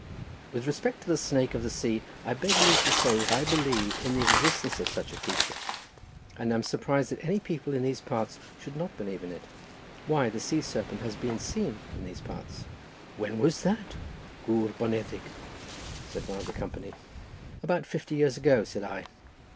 "With respect to the snake of the sea I beg leave to say that I believe in the existence of such a creature; and am surprised that any people in these parts should not believe in it; why, the sea serpent has been seen in these parts." "When was that, Gwr Bonneddig?" said one of the company. "About fifty years ago," said I.